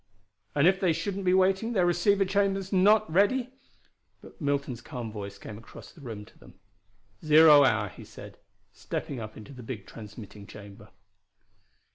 "And if they shouldn't be waiting their receiving chamber not ready " But Milton's calm voice came across the room to them: "Zero hour," he said, stepping up into the big transmitting chamber.